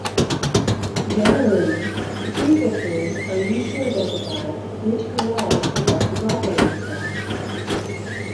Generally, the prefixes are used to identify which garage the bus is operating from.